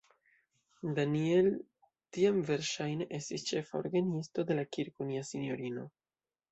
Daniel tiam verŝajne estis ĉefa orgenisto de la Kirko Nia Sinjorino.